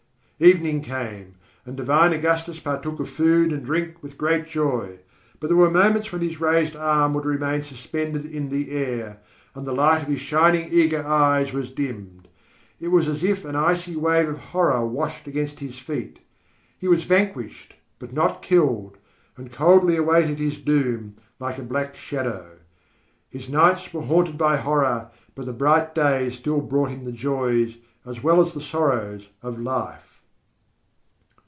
Evening came and divine Augustus partook of food and drink with great joy. But there were moments when his raised arm would remain suspended in the air, and the light of his shining, eager eyes was dimmed. It seemed as if an icy wave of horror washed against his feet. He was vanquished but not killed, and coldly awaited his doom, like a black shadow. His nights were haunted by horror, but the bright days still brought him the joys, as well as the sorrows, of life.